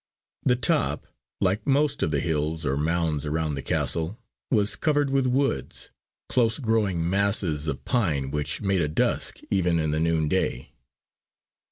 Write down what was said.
The top, like most of the hills or mounds around the castle, was covered with woods, close growing masses of pine which made a dusk even in the noonday.